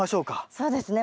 そうですね。